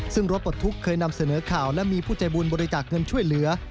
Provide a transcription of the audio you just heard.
ซึ่งรถปลดทุกข์เคยนำเสนอข่าวและมีผู้ใจบุญบริจาคเงินช่วยเหลือ